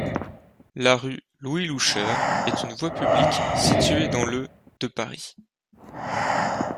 La rue Louis-Loucheur est une voie publique située dans le de Paris.